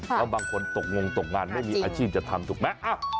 แล้วบางคนตกงงตกงานไม่มีอาชีพจะทำถูกไหม